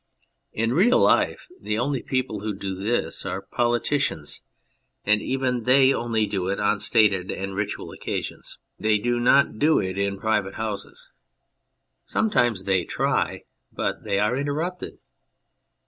In real life the only people who do this are politicians, and even they only do it on stated and ritual occasions ; they do not do it 41 On Anything in private houses. Sometimes they try, but they are interrupted.